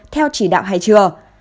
theo chỉ đạo hay chưa